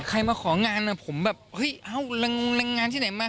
ใครมาของานผมแบบเฮ้ยเอ้าแรงงานที่ไหนมา